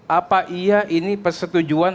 apa iya ini persetujuan